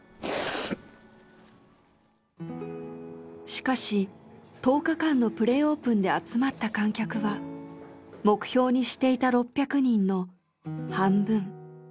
しかし１０日間のプレオープンで集まった観客は目標にしていた６００人の半分。